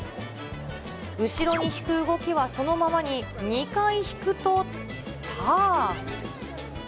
後ろに引く動きはそのままに、２回引くとターン。